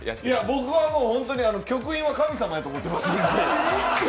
僕はもう本当に、局員は神様やと思ってます。